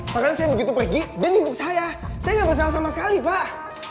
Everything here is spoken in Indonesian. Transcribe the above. makanya saya begitu pergi dia nipu saya saya gak kesalah sama sekali pak